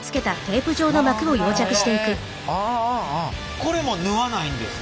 これも縫わないんですか？